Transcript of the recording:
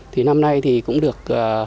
thì năm nay thì cũng được